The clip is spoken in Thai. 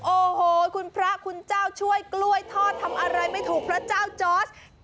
โอ้โหคุณพระคุณเจ้าช่วยกล้วยทอดทำอะไรไม่ถูกพระเจ้าจอร์ส